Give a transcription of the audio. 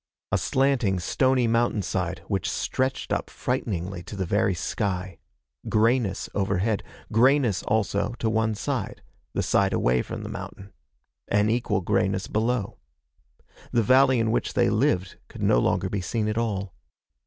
A slanting, stony mountainside which stretched up frighteningly to the very sky. Grayness overhead. Grayness, also, to one side the side away from the mountain. And equal grayness below. The valley in which they lived could no longer be seen at all.